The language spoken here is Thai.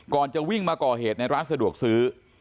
จะวิ่งมาก่อเหตุในร้านสะดวกซื้อ